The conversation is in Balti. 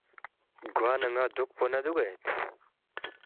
گوانہ ن٘ا دُوکپو نہ دُوگید